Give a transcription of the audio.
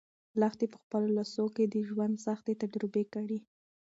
لښتې په خپلو لاسو کې د ژوند سختۍ تجربه کړې.